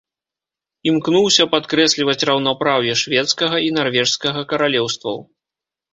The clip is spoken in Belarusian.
Імкнуўся падкрэсліваць раўнапраўе шведскага і нарвежскага каралеўстваў.